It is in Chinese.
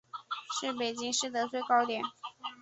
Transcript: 是北京市的最高点。